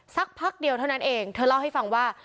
สักพักเดียวเท่านั้นเองเธอเล่าให้ฟังว่า